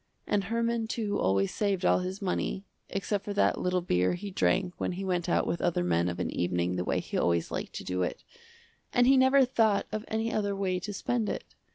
And Herman too always saved all his money, except for that little beer he drank when he went out with other men of an evening the way he always liked to do it, and he never thought of any other way to spend it.